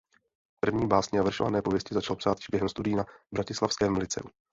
První básně a veršované pověsti začal psát již během studií na bratislavském lyceu.